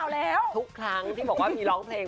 แล้วทุกครั้งที่บอกว่ามีร้องเพลง